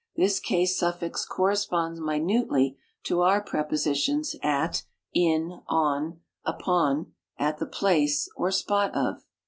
This case suffix corresponds minutely to our prepositions at, in, on, upon, at the place or spot of.